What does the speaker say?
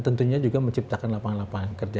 tentunya juga menciptakan lapangan lapangan kerja